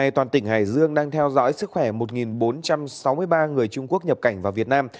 toàn tỉnh hải dương đang theo dõi sức khỏe một bốn trăm sáu mươi ba người trung quốc nhập cảnh vào việt nam